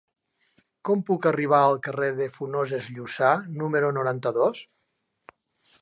Com puc arribar al carrer de Funoses Llussà número noranta-dos?